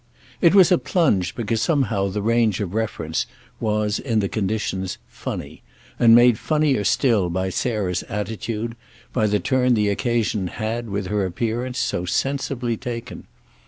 It was a plunge because somehow the range of reference was, in the conditions, "funny," and made funnier still by Sarah's attitude, by the turn the occasion had, with her appearance, so sensibly taken.